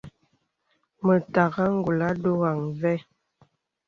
Mə tàgā ngùlà ndɔ̄gà və.